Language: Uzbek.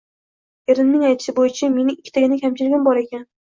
Erimning aytishi bo'yicha, mening ikkitagina kamchiligim bor ekan